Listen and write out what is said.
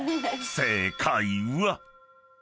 ［正解は］